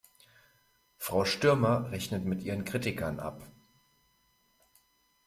Frau Stürmer rechnet mit ihren Kritikern ab.